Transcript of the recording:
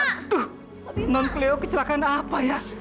tante cleo kecelakaan apa ya